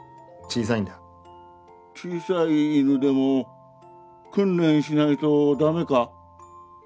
小さい犬でも訓練しないと駄目か？